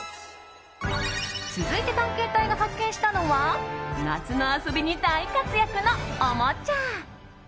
続いて探検隊が発見したのは夏の遊びに大活躍の、おもちゃ。